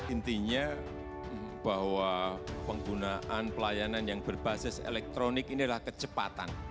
intinya bahwa penggunaan pelayanan yang berbasis elektronik inilah kecepatan